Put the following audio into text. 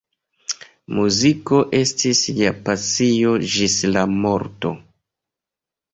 Muziko estis lia pasio ĝis la morto.